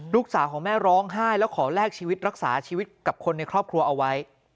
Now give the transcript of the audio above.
ลูกสาวของแม่ร้องไห้แล้วขอแลกชีวิตรักษาชีวิตกับคนในครอบครัวเอาไว้